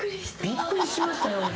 びっくりしましたよ。